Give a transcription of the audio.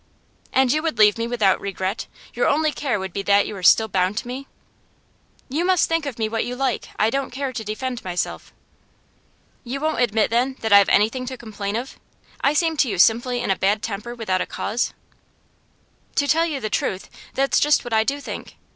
'And you would leave me without regret? Your only care would be that you were still bound to me?' 'You must think of me what you like. I don't care to defend myself.' 'You won't admit, then, that I have anything to complain of? I seem to you simply in a bad temper without a cause?' 'To tell you the truth, that's just what I do think.